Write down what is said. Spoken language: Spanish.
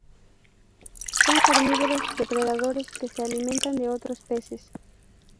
Son carnívoros depredadores que se alimentan de otros peces.